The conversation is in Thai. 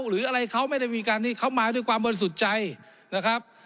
หรืออะไรเขาไม่ได้มีการที่เขามาด้วยความบริสุทธิ์ใจนะครับ